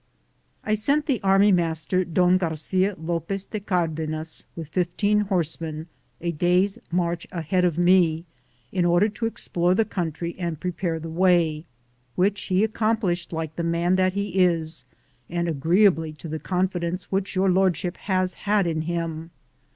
I sent the army master, Don Garcia Lopez de Cardenas, with 15 horsemen, a day's march ahead of me, in order to explore the country and prepare the way, which he ac complished lake the man that he is, and agreeably to the confidence which Your Lord ship has had in him.